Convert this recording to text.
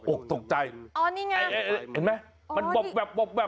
อกตกใจอ๋อนี่ไงเห็นไหมมันบอบแบบบอบแบบ